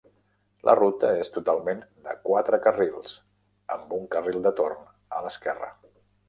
La ruta és totalment de quatre carrils, amb un carril de torn a l'esquerra.